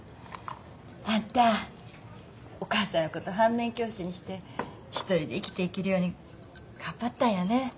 あんたお母さんのこと反面教師にして１人で生きていけるように頑張ったんやね。